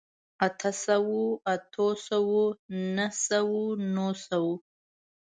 اته سوو، اتو سوو، نهه سوو، نهو سوو